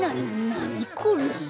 なにこれ。